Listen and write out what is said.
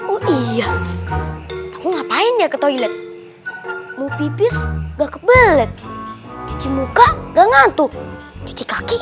oh iya aku ngapain ya ke toilet mau pipis enggak kebelet cuci muka gak ngantuk cuci kaki